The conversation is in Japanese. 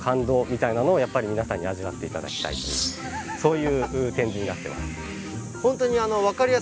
そういう展示になってます。